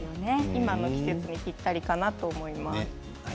今の季節にぴったりかなと思います。